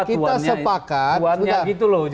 tuannya kita sepakat